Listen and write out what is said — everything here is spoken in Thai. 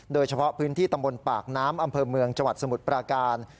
โดยเฉพาะพื้นที่ตำบลปากน้ำอำเภอเมืองจังหวัดสมุทรปราการ